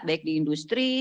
baik di industri